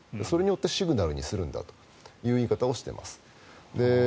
それによってシグナルにするんだという言い方をしています。